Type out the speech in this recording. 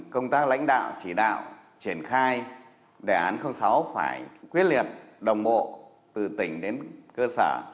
công tác lãnh đạo chỉ đạo triển khai đề án sáu phải quyết liệt đồng bộ từ tỉnh đến cơ sở